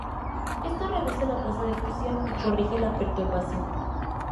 Esto reduce la tasa de fusión y corrige la perturbación.